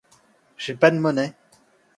J’ai pas d’monnaie.